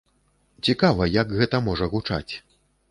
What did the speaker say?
Цікава, як гэта можа гучаць.